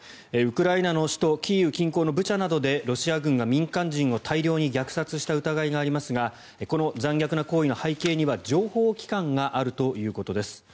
ウクライナの首都キーウ近郊のブチャなどでロシア軍が民間人を大量に虐殺した疑いがありますがこの残虐な行為の背景には情報機関があるということです。